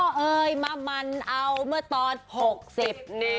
เฮทมามันเอาเมื่อตอนหกสิบ